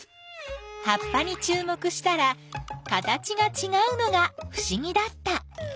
葉っぱにちゅう目したら形がちがうのがふしぎだった。